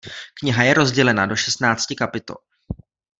Kniha je rozdělena do šestnácti kapitol.